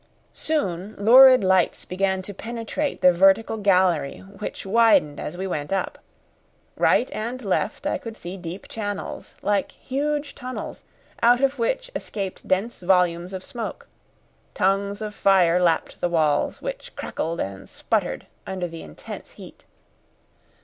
Soon lurid lights began to penetrate the vertical gallery which widened as we went up. Right and left I could see deep channels, like huge tunnels, out of which escaped dense volumes of smoke; tongues of fire lapped the walls, which crackled and sputtered under the intense heat.